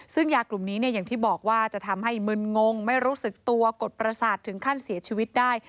ซึ่งยากลุ่มนี้อย่างที่บอกว่าจะทำให้มึนงงไม่รู้สึกตัวกดประสาทถึงขั้นเสียชีวิตได้